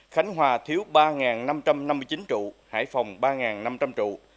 khánh hòa thiếu ba năm trăm năm mươi chín trụ hải phòng ba năm trăm linh trụ